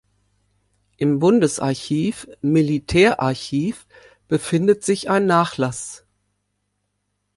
Im Bundesarchiv-Militärarchiv befindet sich ein Nachlass.